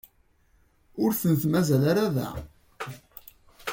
Ur tent-mazal ara da.